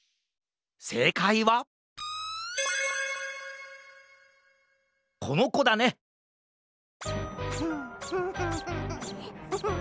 せいかいはこのこだねフッフフフフフフッ。